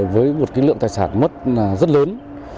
với một kính lượng tài sản mất rất lớn